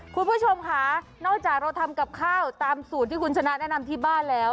คุณผู้ชมค่ะนอกจากเราทำกับข้าวตามสูตรที่คุณชนะแนะนำที่บ้านแล้ว